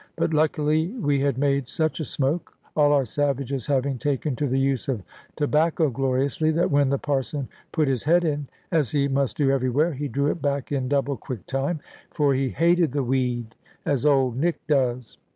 But luckily we had made such a smoke all our savages having taken to the use of tobacco gloriously that when the Parson put his head in, as he must do everywhere, he drew it back in double quick time, for he hated the weed as Old Nick does.